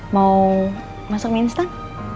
mau masak minstan